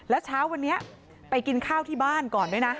แล้วเช้าวันนี้ไปกินข้าวที่บ้านก่อนด้วยนะ